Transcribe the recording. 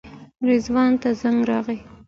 رضوان ته زنګ راغی.